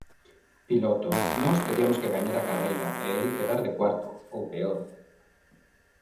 Piloto Nós teriamos que gañar a carreira e el quedar de cuarto, ou peor.